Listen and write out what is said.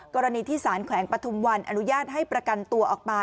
กรณีที่สารแขวงปฐุมวันอนุญาตให้ประกันตัวออกมา